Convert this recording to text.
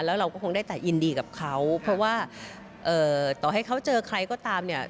แล้วเราก็คงได้แต่ยินดีกับเขาเพราะว่าต่อให้เขาเจอใครก็ตามเนี่ย